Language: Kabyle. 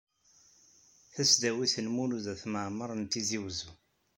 Tasdawit Lmulud At Mɛemmer n Tizi Uzzu.